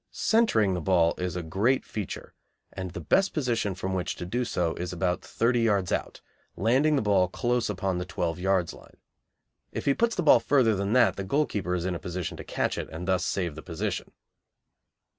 Centring the ball is a great feature, and the best position from which to do so is about thirty yards out, landing the ball close upon the twelve yards line. If he puts the ball further than that the goalkeeper is in a position to catch it and thus save the position.